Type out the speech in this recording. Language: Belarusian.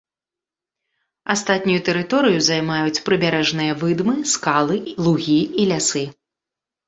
Астатнюю тэрыторыю займаюць прыбярэжныя выдмы, скалы, лугі і лясы.